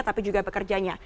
tapi juga pekerjanya